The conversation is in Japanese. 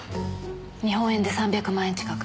日本円で３００万円近く。